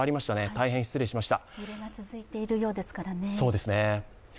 大変失礼しました。